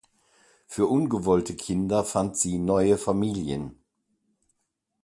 Für ungewollte Kinder fand sie neue Familien.